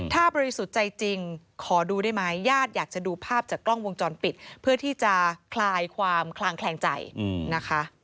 ถ้าบริสุทธิ์ใจจริงขอดูได้ไหมญาติอยากจะดูภาพจากกล้องวงจรปิดเพื่อที่จะคลายความคลางแคลงใจนะคะ